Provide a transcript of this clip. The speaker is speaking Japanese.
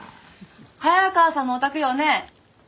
早川さんのお宅よね？